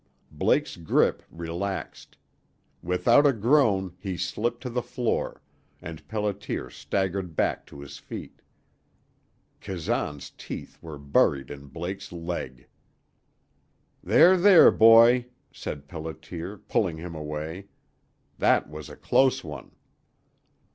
Blake's grip relaxed. Without a groan he slipped to the floor, and Pelliter staggered back to his feet. Kazan's teeth were buried in Blake's leg. "There, there, boy," said Pelliter, pulling him away. "That was a close one!"